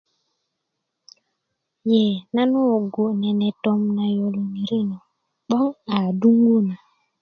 ye nan wöwögu nene tom na yoloni rino 'boŋ a adungu na